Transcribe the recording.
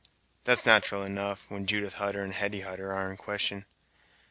"That's nat'ral enough, when Judith Hutter and Hetty Hutter are in question.